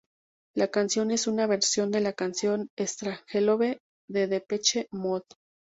La canción es una versión de la canción 'Strangelove' de Depeche Mode.